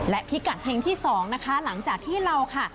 และพิกัดเพลงที่๒นะคะหลังจากที่เราค่ะ